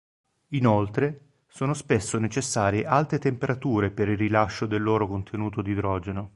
Inoltre, sono spesso necessarie alte temperature per il rilascio del loro contenuto di idrogeno.